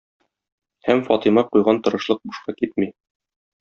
Һәм Фатыйма куйган тырышлык бушка китми.